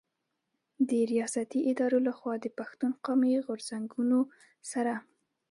د رياستي ادارو له خوا د پښتون قامي غرځنګونو سره